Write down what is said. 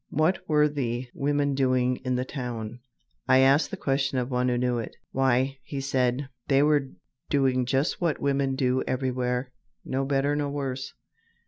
What were the women doing in the town? I asked the question of one who knew it. "Why," he said, "they were doing just what women do everywhere, no better, no worse.